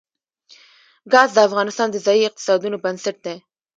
ګاز د افغانستان د ځایي اقتصادونو بنسټ دی.